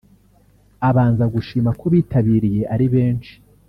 Abanza gushima ko bitabiriye ari benshi